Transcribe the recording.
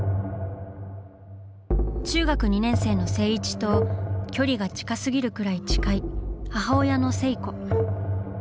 中学２年生の静一と距離が近すぎるくらい近い母親の静子。